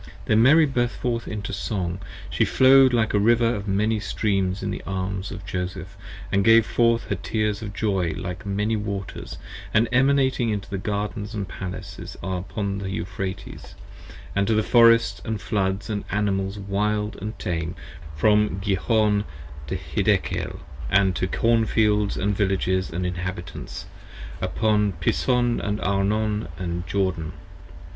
Then Mary burst forth into a Song: she flowed like a River of Many Streams in the arms of Joseph, & gave forth her tears of joy 30 Like many waters, and Emanating into gardens & palaces upon Euphrates, & to forests & floods & animals wild & tame from Gihon to Hiddekel, & to corn fields & villages & inhabitants Upon Pison & Arnon & Jordan.